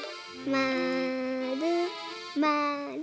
まるまる。